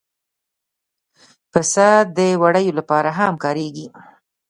پسه د وړیو لپاره هم کارېږي.